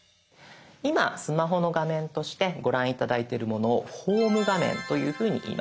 今スマホの画面としてご覧頂いてるものを「ホーム画面」というふうにいいます。